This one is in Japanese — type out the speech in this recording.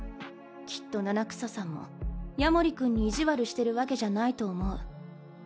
きっと七草さんも夜守君に意地悪してるわけじゃないと思う。